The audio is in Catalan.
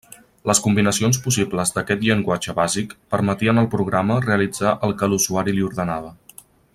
Les combinacions possibles d'aquest llenguatge bàsic permetien al programa realitzar el que l'usuari li ordenava.